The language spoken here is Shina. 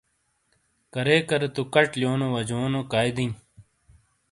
کارے کارے تو کَچ لِیونو وجونو کائی دِیں ۔